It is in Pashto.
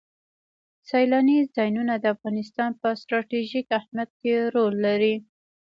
سیلانی ځایونه د افغانستان په ستراتیژیک اهمیت کې رول لري.